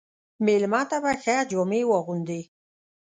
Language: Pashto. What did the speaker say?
مېلمه ته به ښه جامې واغوندې.